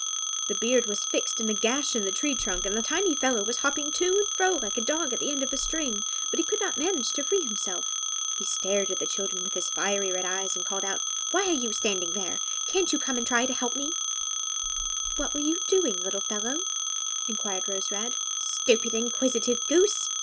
The beard was fixed in a gash in the tree trunk, and the tiny fellow was hopping to and fro, like a dog at the end of a string, but he could not manage to free himself. He stared at the children, with his red, fiery eyes, and called out, "Why are you standing there? Can't you come and try to help me?" "What were you doing, little fellow?" enquired Rose Red. "Stupid, inquisitive goose!"